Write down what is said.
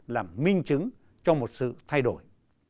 làm minh chứng cho một sự thay đổi